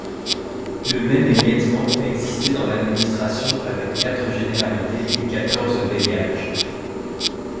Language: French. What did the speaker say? Le même émiettement existait dans l’administration avec quatre généralités et quatorze bailliages.